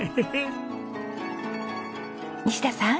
西田さん。